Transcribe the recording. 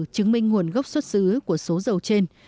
chứng minh nguồn gốc xuất xứ của số dầu trên